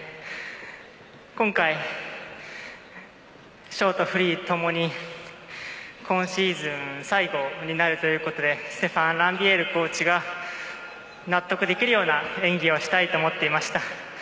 今回、ショート、フリーともに今シーズン最後になるということでステファン・ランビエールコーチが納得できるような演技をしたいと思っていました。